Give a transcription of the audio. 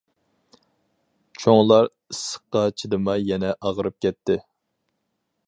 چوڭلار ئىسسىققا چىدىماي يەنە ئاغرىپ كەتتى.